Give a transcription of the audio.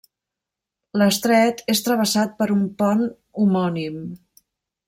L'estret és travessat per un pont homònim.